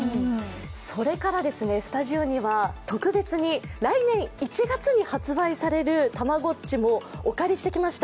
それからですね、スタジオに特別に来年１月に発売されるたまごっちもお借りしてきました。